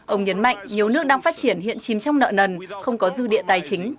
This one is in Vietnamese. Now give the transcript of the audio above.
ông nhấn mạnh nhiều nước đang phát triển hiện chìm trong nợ nần không có dư địa tài chính